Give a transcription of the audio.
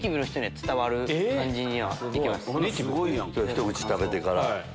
ひと口食べてから。